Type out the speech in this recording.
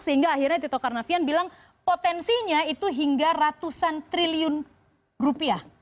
sehingga akhirnya tito karnavian bilang potensinya itu hingga ratusan triliun rupiah